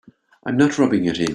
I'm not rubbing it in.